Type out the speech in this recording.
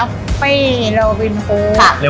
ข้าวมันไก่เจอ้วนคุณก็จะเจอเลย